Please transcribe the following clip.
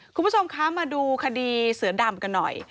คุณผู้ชมคะมาดูคดีเสือดำกันหน่อย